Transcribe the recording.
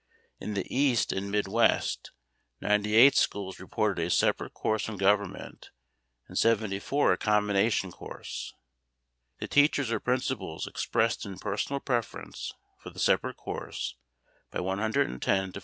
In the East and Mid West 98 schools reported a separate course on Government and 74 a combination course. The teachers or principals expressed a personal preference for the separate course by 110 to 42.